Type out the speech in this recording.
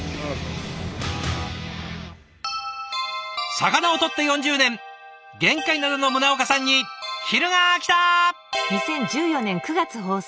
魚をとって４０年玄界灘の宗岡さんに昼がきた。